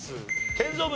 建造物。